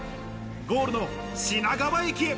ゴールの品川駅へ。